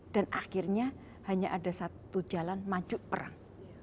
dan akhirnya hanya ada satu jalan maju perang